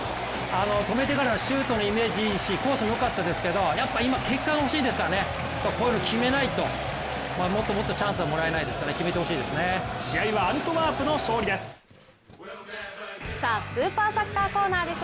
止めてからシュートのイメージもいいしコースもよかったですけど、今結果が欲しいですからね、こういうの決めないと、もっともっとチャンスはもらえないですから、試合はアントワープの勝利です。